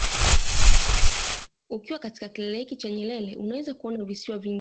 Ukiwa katika kilele hiki cha Nyerere unaweza kuona visiwa vingine